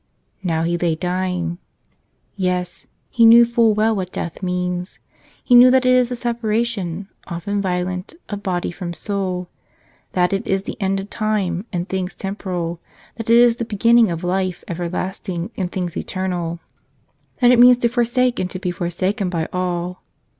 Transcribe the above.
Now he lay dying. Yes; he knew full well what death means. He knew that it is the separation, often violent, of body from soul; that it is the end of time and things temporal; that it is the beginning of life everlasting and things eternal ; that it means to forsake and to be forsaken by all.